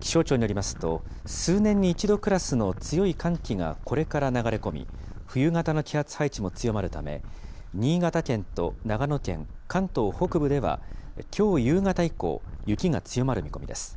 気象庁によりますと、数年に一度クラスの強い寒気がこれから流れ込み、冬型の気圧配置も強まるため、新潟県と長野県、関東北部ではきょう夕方以降、雪が強まる見込みです。